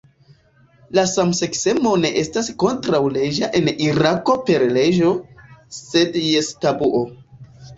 La samseksemo ne estas kontraŭleĝa en Irako per leĝo, sed jes tabuo.